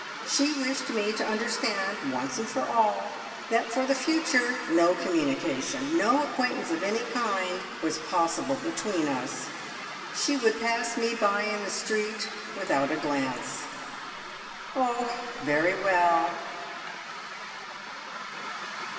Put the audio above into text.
She wished me to understand, once and for all, that for the future no communication, no acquaintance of any kind was possible between us. She would pass me by in the street without a glance. Oh, very well!